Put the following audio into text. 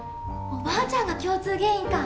おばあちゃんが共通原因か。